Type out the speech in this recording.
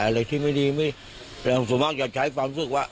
อะไรที่ไม่ดีส่วนมากจะใช้ฟังศึกว่า